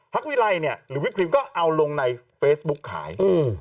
วิไลเนี่ยหรือวิปครีมก็เอาลงในเฟซบุ๊กขาย